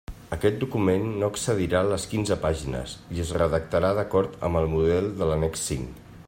Aquest document no excedirà les quinze pàgines i es redactarà d'acord amb el model de l'annex cinc.